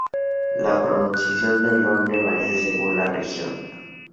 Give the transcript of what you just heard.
La pronunciación del nombre varía según la región.